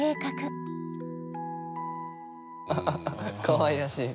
かわいらしい。